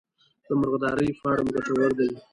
د مرغدارۍ فارم ګټور دی؟